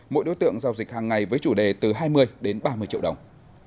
mỗi đối tượng giao dịch hàng ngày với chủ đề từ hai mươi đến ba mươi triệu đồng